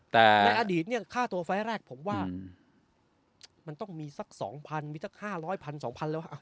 แต่ในอดีตเนี่ยค่าตัวไฟล์แรกผมว่ามันต้องมีสัก๒๐๐มีสัก๕๐๐๑๐๐๒๐๐แล้ว